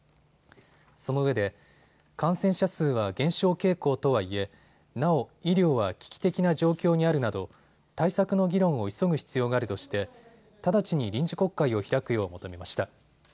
そのうえで感染者数は減少傾向とはいえなお医療は危機的な状況にあるなど対策の議論を急ぐ必要があるとして直ちに臨時国会を開くよう求めました。